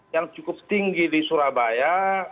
yang cukup tinggi di surabaya